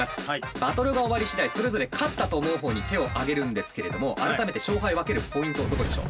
バトルが終わりしだいそれぞれ勝ったと思うほうに手を挙げるんですけれども改めて勝敗分けるポイントどこでしょう。